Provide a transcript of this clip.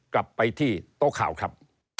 กลับไปที่โต๊ะข่าวครับ